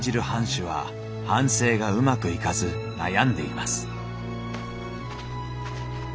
藩主は藩政がうまくいかず悩んでいます